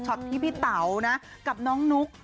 ที่พี่เต๋านะกับน้องนุ๊ก